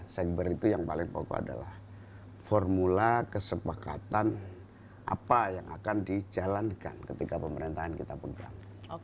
sekber itu yang paling pokok adalah formula kesepakatan apa yang akan dijalankan ketika pemerintahan kita pegang